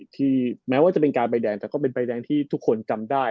แม้ว่าจะเป็นการใบแดงแต่ก็เป็นใบแดงที่ทุกคนจำได้